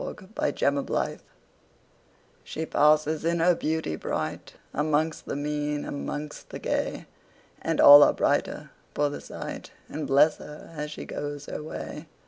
1840 The Secret SHE passes in her beauty brightAmongst the mean, amongst the gay, And all are brighter for the sight, And bless her as she goes her way.